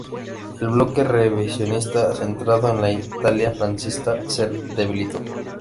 El bloque revisionista centrado en la Italia fascista se debilitó.